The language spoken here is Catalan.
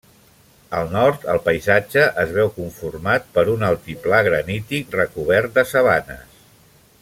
Al nord el paisatge es veu conformat per un altiplà granític recobert de sabanes.